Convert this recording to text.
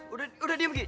udah udah diam gi